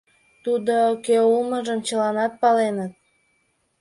«Тудо» кӧ улмыжым чыланат паленыт.